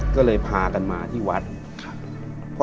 ก็เลยพากันมาที่วัดครับ